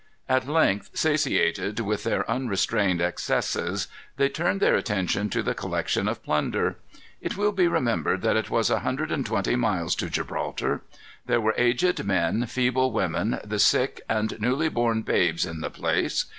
At length, satiated with their unrestrained excesses, they turned their attention to the collection of plunder. It will be remembered that it was a hundred and twenty miles to Gibraltar. There were aged men, feeble women, the sick, and newly born babes in the place.